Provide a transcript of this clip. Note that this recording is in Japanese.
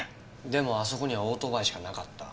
でもあそこにはオートバイしかなかった。